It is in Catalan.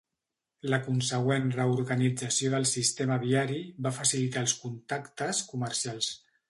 La consegüent reorganització del sistema viari va facilitar els contactes comercials.